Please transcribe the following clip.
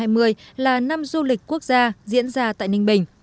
đặc biệt là năm hai nghìn hai mươi là năm du lịch quốc gia diễn ra tại ninh bình